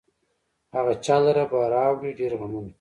هغه چا لره به راوړي ډېر غمونه